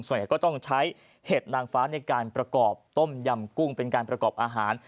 ก็ต้องใช้เห็ดนางฟ้าในการประกอบต้มยำกุ้งเป็นการประกอบอาหาร